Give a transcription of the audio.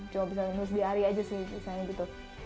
cuma bisa ngehusbiari aja sih misalnya gitu